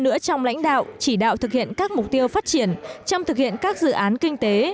nữa trong lãnh đạo chỉ đạo thực hiện các mục tiêu phát triển trong thực hiện các dự án kinh tế